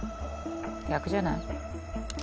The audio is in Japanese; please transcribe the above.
逆じゃない？